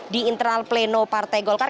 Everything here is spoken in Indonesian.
di internal pleno partai golkar